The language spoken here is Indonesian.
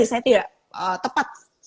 saya tidak tepat